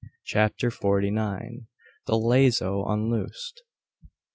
CHAPTER FORTY NINE. THE LAZO UNLOOSED.